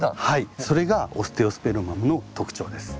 それがオステオスペルマムの特徴です。